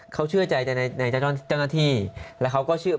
เขาเชื่อใจแต่ในเจ้าหน้าที่แล้วเขาก็เชื่อ